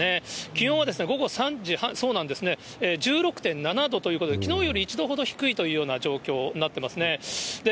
気温は午後３時半、１６．７度ということで、きのうより１度ほど低いというような状況になってますね。